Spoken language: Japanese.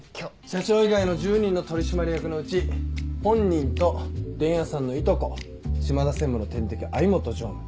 社長以外の１０人の取締役のうち本人と伝弥さんのいとこ島田専務の天敵相本常務